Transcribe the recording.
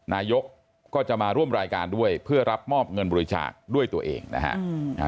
นายกก็จะมาร่วมรายการด้วยเพื่อรับมอบเงินบริจาคด้วยตัวเองนะฮะ